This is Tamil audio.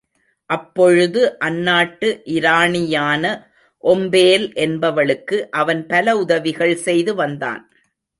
அப்பொழுது அந்நாட்டு இராணியான ஒம்பேல் என்பவளுக்கு அவன் பல உதவிகள் செய்து வந்தான்.